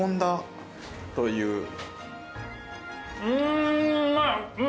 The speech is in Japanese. んうまい。